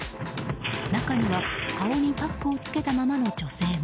中には顔にパックを付けたままの女性も。